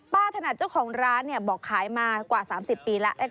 ถนัดเจ้าของร้านบอกขายมากว่า๓๐ปีแล้ว